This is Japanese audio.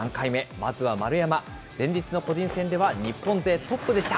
まずは丸山、前日の個人戦では日本勢トップでした。